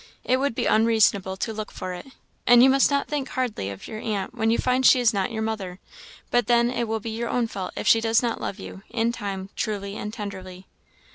It would be unreasonable to look for it; and you must not think hardly of your aunt when you find she is not your mother; but then it will be your own fault if she does not love you, in time, truly and tenderly.